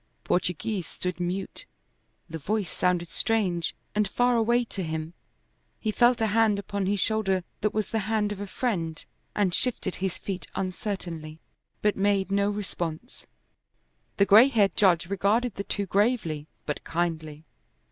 Portoghese stood mute; the voice sounded strange and far away to him. He felt a hand upon his shoulder that was the hand of a friend, and shifted his feet uncertainly, but made no response. The gray haired judge regarded the two gravely but kindly.